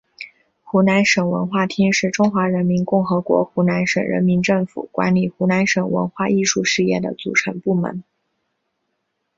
湖南省文化厅是中华人民共和国湖南省人民政府管理湖南省文化艺术事业的组成部门。